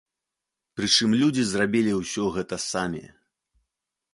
Прычым людзі зрабілі ўсё гэта самі.